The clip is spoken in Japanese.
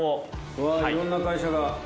うわぁいろんな会社が。